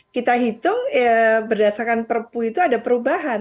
kita hitung berdasarkan perpu itu ada perubahan